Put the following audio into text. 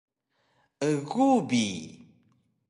egu bi